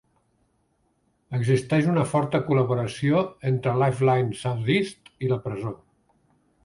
Existeix una forta col·laboració entre Lifeline South East i la presó.